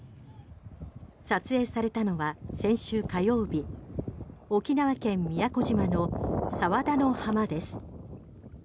撮影されたのは先週火曜日沖縄県・宮古島の佐和田の浜です。